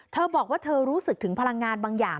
เธอบอกว่าเธอรู้สึกถึงพลังงานบางอย่าง